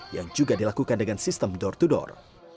yang juga dilakukan dengan sistem door to door